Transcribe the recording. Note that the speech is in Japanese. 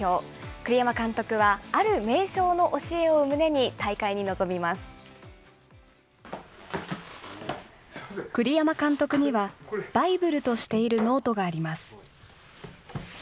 栗山監督はある名将の教えを胸に栗山監督には、バイブルとしているノートがあります。